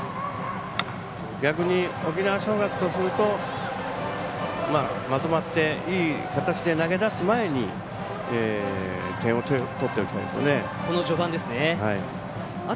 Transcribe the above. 逆に沖縄尚学とするとまとまっていい形で投げだす前に点を取っておきたいですよね。